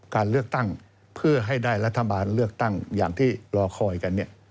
การเลือกตั้งเพื่อให้ได้รัฐบาลเลือกตั้งอย่างที่รอคอยกัน